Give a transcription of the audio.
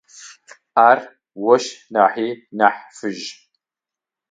Ар ощ нахьи нахь фыжь.